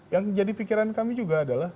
yang jadi pikiran kami juga adalah